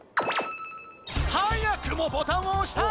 早くもボタンを押した！